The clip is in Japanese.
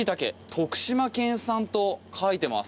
徳島県産と書いてます。